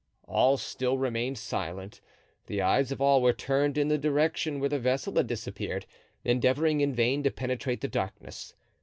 All still remained silent, the eyes of all were turned in the direction where the vessel had disappeared, endeavoring in vain to penetrate the darkness.